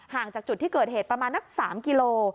จากจุดที่เกิดเหตุประมาณนัก๓กิโล